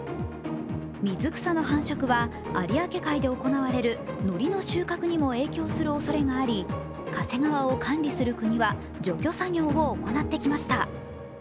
水草の繁殖は有明海で行われるのりの収穫にも影響するおそれがあり、加勢川を管理する国は除去作業を行ってきました。